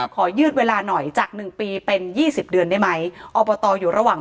ยืดเวลาหน่อยจาก๑ปีเป็น๒๐เดือนได้ไหมอบตอยู่ระหว่าง